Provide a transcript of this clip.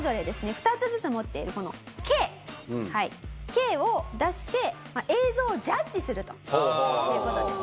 ２つずつ持っているこの「Ｋ」Ｋを出して映像をジャッジするという事ですね。